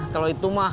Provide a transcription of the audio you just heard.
kalau itu mah